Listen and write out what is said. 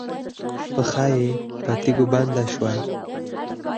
پښه یې په تيږو بنده شوه.